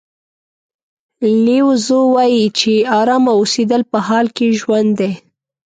لیو زو وایي چې ارامه اوسېدل په حال کې ژوند دی.